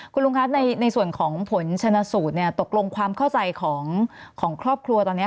คุณลุงครับในส่วนของผลชนสูตรตกลงความเข้าใจของครอบครัวตอนนี้